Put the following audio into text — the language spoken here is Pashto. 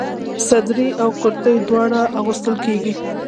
صدرۍ او کرتۍ دواړه اغوستل کيږي.